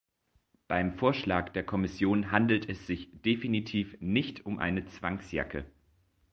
Beim Vorschlag der Kommission handelt es sich definitiv nicht um eine Zwangsjacke.